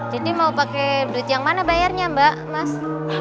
jadi mau pake duit yang mana bayarnya mbak mas